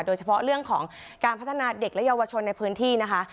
โดยเฉพาะเรื่องของการพัฒนาเด็กและเยาวชนในพื้นที่นะคะ